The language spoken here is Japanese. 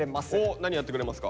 何やってくれますか？